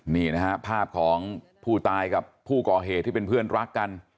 นี่นะฮะภาพของผู้ตายกับผู้ก่อเหตุที่เป็นเพื่อนรักกัน